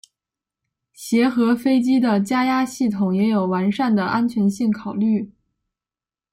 协和飞机的加压系统也有完善的安全性考量。